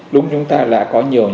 đúng chúng ta là có nhiều